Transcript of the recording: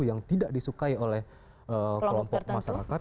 yang tidak disukai oleh kelompok masyarakat